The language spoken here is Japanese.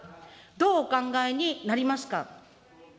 どうお考えになりますか。